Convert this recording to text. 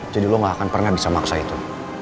jadi lo gak akan pernah bisa maksa itu